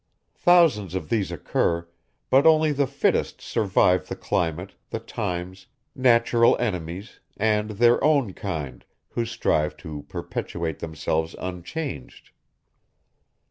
Thousands of these occur, but only the fittest survive the climate, the times, natural enemies, and their own kind, who strive to perpetuate themselves unchanged."